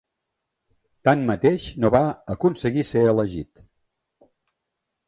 Tanmateix, no va aconseguir ser elegit.